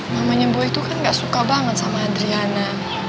mamanya boy itu kan gak suka banget sama adriana